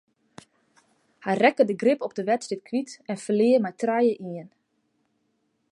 Hy rekke de grip op de wedstryd kwyt en ferlear mei trije ien.